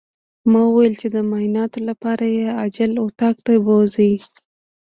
ما ويل چې د معايناتو لپاره يې عاجل اتاق ته بوځئ.